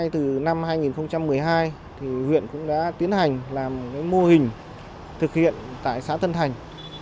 từ năm hai nghìn một mươi hai thì huyện cũng đã tiến hành làm cái mô hình thực hiện tại xã thân thành